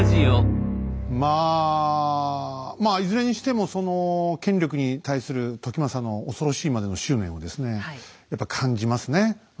まあまあいずれにしてもその権力に対する時政の恐ろしいまでの執念をですねやっぱ感じますね。